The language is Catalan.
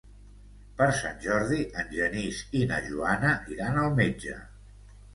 Per Sant Jordi en Genís i na Joana iran al metge.